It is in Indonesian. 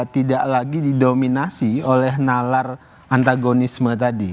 tidak lagi didominasi oleh nalar antagonisme tadi